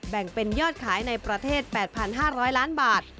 แบ่งเป็นยอดขายในประเทศ๘๕๐๐ล้านบาท